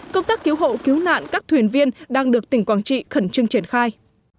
công tác cứu hộ cứu nạn các thuyền viên đang được tỉnh quảng trị khẩn trương triển khai